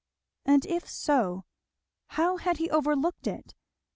and if so, how had he overlooked it?